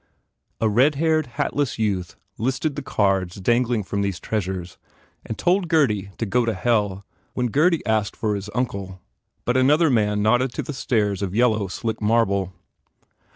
A redhaired, hatless youth listed the cards dangling from these treasures and told Gurdy to go to hell when Gurdy asked for his uncle but another man nodded to stairs of yellow, slick marble.